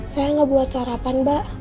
saya gak buat sarapan mbak